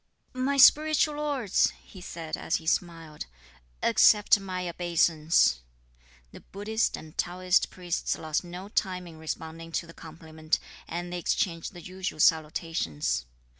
"My spiritual lords," he said, as he smiled, "accept my obeisance." The Buddhist and Taoist priests lost no time in responding to the compliment, and they exchanged the usual salutations.